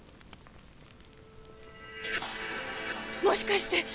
もしかして！